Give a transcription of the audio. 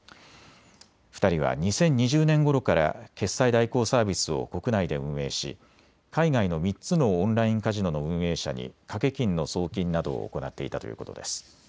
２人は２０２０年ごろから決済代行サービスを国内で運営し海外の３つのオンラインカジノの運営者に賭け金の送金などを行っていたということです。